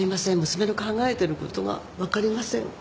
娘の考えてることが分かりません。